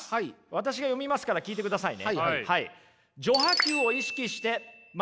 私が読みますから聞いてくださいね。